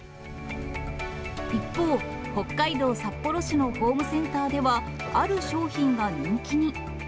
一方、北海道札幌市のホームセンターでは、ある商品が人気に。